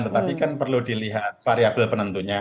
tetapi kan perlu dilihat variabel penentunya